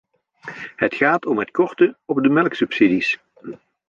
Het gaat om het korten op de melksubsidies.